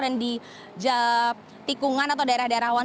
dan di tikungan atau daerah daerah awan